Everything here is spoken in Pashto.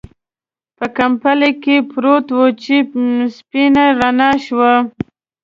په کمپله کې پروت و چې سپينه رڼا شوه.